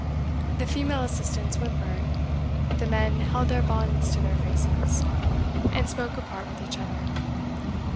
The female assistants whimpered, the men held their bonnets to their faces, and spoke apart with each other.